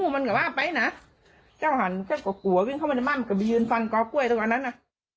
มันก็ว่าไปนะเจ้าหันเจ็บกว่ากลัววิ่งเข้าบ้านก็มียืนฟันกอเก้าเก้าอย่างนั้นนะ